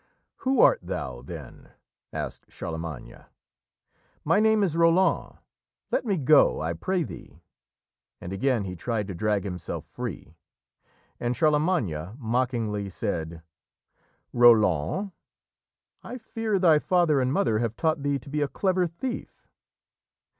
"Who art thou, then?" asked Charlemagne. "My name is Roland let me go, I pray thee," and again he tried to drag himself free. And Charlemagne mockingly said: "Roland, I fear thy father and mother have taught thee to be a clever thief."